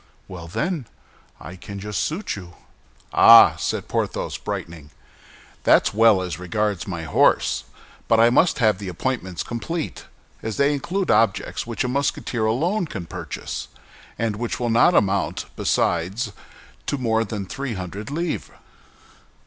"Well, then! I can just suit you." "Ah!" said Porthos, brightening, "that's well as regards my horse; but I must have the appointments complete, as they include objects which a Musketeer alone can purchase, and which will not amount, besides, to more than three hundred livres."